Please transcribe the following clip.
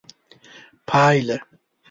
پایله: